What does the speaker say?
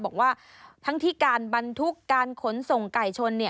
บอกว่าทั้งที่การบรรทุกการขนส่งไก่ชน